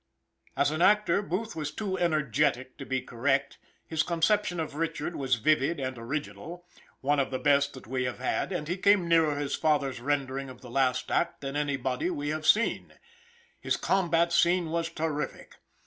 As an actor, Booth was too energetic to be correct; his conception of Richard was vivid and original, one of the best that we have had, and he came nearer his father's rendering of the last act than any body we have had. His combat scene was terrific.